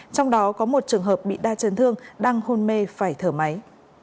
trong đó có một trường hợp bị đa chân thương đang hôn mê phải thở máy